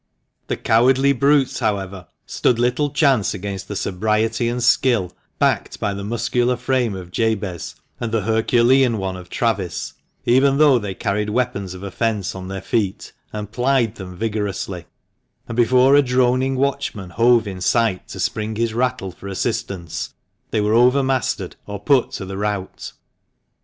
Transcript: The cowardly brutes, however, stood little chance against sobriety and skill, backed by the muscular frame of Jabez and the herculean one of Travis, even though they carried weapons of offence on their feet, and plied them vigorously; and before a droning watchman hove in sight to spring his rattle for assistance, they were over mastered or put to the rout.